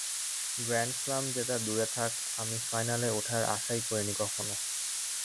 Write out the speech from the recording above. Grand slam জেতা দূরে থাক, আমি ফাইনালে ওঠার আশাই করিনি কখনো।